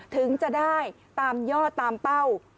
ถึงจะได้ตามยอดตามเป้า